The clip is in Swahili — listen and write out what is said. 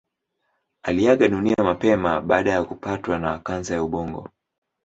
Aliaga dunia mapema baada ya kupatwa na kansa ya ubongo.